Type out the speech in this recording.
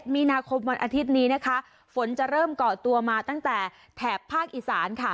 มีนาคมวันอาทิตย์นี้นะคะฝนจะเริ่มเกาะตัวมาตั้งแต่แถบภาคอีสานค่ะ